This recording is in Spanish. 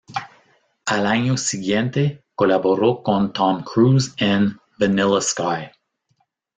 Al año siguiente, colaboró con Tom Cruise en "Vanilla Sky".